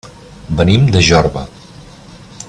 Venim de Jorba.